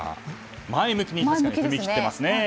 前向きに踏み切っていますね。